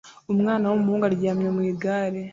Umwana w'umuhungu aryamye mu igare